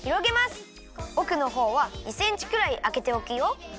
おくのほうは２センチくらいあけておくよ。